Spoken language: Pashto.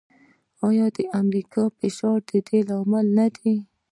آیا د امریکا فشار د دې لامل نه دی؟